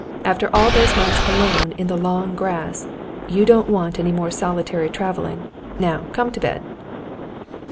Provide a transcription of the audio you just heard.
After all those months alone in the long grass, you don't want any more solitary travelling. Now come to bed."